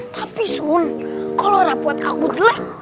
tapi sun kalo anak buat aku jelek